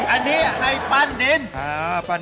อันนี้ให้ปั้นดิน